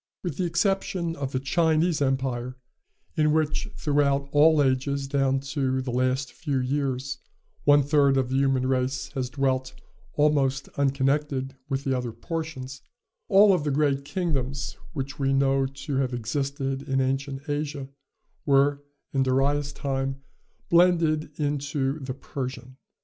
With the exception of the Chinese empire, in which, throughout all ages down to the last few years, one third of the human race has dwelt almost unconnected with the other portions, all the great kingdoms, which we know to have existed in ancient Asia, were, in Darius' time, blended into the Persian.